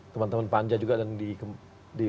teman teman panja juga dan di